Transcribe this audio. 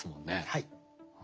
はい。